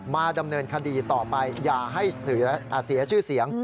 มาดำเนินคดีต่อไปอย่าให้เสียชื่อเสียง